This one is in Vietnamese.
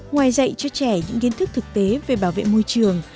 ngoài dạy cho trẻ những kiến thức thực tế về bảo vệ môi trường